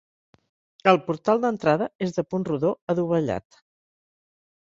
El portal d'entrada és de punt rodó adovellat.